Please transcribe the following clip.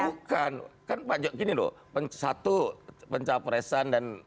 bukan kan pak jokowi loh satu pencapresan dan